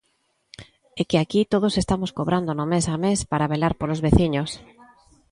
É que aquí todos estamos cobrando no mes a mes para velar polos veciños.